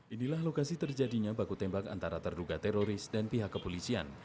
inilah lokasi terjadinya baku tembak antara terduga teroris dan pihak kepolisian